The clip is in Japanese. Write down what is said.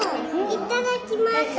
いただきます。